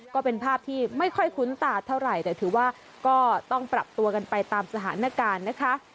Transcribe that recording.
ก็เป็นภาพที่ไม่ค่อยคุ้นตาเท่าไหร่แต่ถือว่าก็ต้องปรับตัวกันไปตามสถานการณ์นะคะ